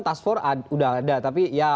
task force sudah ada tapi ya